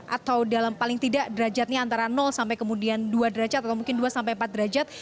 atau dalam paling tidak derajatnya antara sampai kemudian dua derajat atau mungkin dua sampai empat derajat